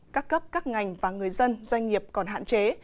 các cấp các ngành và người dân doanh nghiệp còn hạn chế